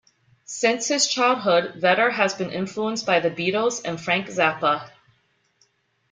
Since his childhood, Vetter has been influenced by The Beatles and Frank Zappa.